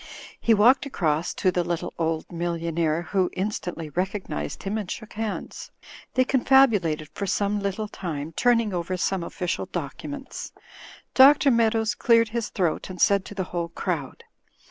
He walked across to the little, old millionaire, who in stantly recognized him and shook hands. They con fabulated for some little time, turning over some offi cial documents. Dr. Meadows cleared his throat and said to the whole crowd.